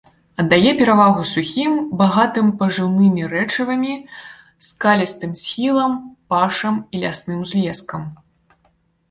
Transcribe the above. Аддае перавагу сухім, багатым пажыўнымі рэчывамі, скалістым схілам, пашам і лясным узлескам.